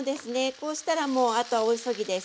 こうしたらもうあとは大急ぎです。